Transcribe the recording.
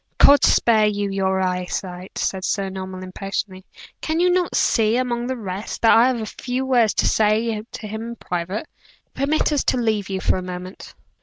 "God spare you your eye sight!" said Sir Norman, impatiently. "Can you not see, among the rest, that I have a few words to say to him in private? Permit us to leave you for a moment."